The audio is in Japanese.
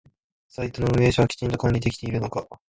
サイトの運営者はきちんと管理できているのか？